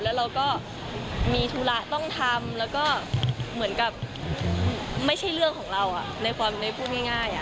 แล้วเราก็มีธุระต้องทำแล้วก็เหมือนกับไม่ใช่เรื่องของเราในพูดง่าย